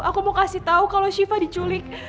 aku mau kasih tau kalau shiva diculik